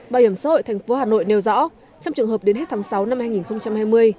bảo hiểm xã hội thành phố hà nội nêu rõ trong trường hợp đến hết tháng sáu năm hai nghìn hai mươi